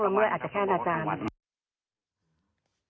อาจจะแค่นาตาล